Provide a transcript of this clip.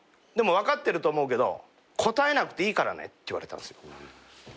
でも分かってると思うけど答えなくていいからね」って言われたんですよ。